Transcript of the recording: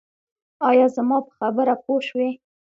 ایا زما په خبره پوه شوئ؟